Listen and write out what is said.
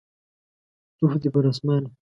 توف دي پر اسمان وي.